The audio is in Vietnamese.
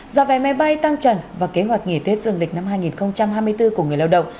giả vẻ máy bay tăng trần và kế hoạch nghỉ tiết dường lịch năm hai nghìn hai mươi bốn của người lao động